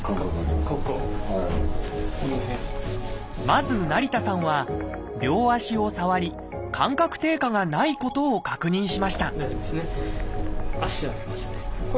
まず成田さんは両足を触り感覚低下がないことを確認しました